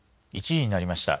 １時になりました。